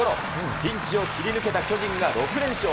ピンチを切り抜けた巨人が６連勝。